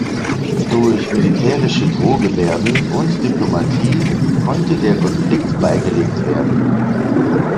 Durch militärische Drohgebärden und Diplomatie konnte der Konflikt beigelegt werden.